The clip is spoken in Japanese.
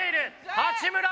八村！